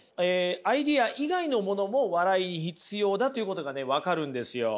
アイデア以外のものも笑いに必要だということがね分かるんですよ。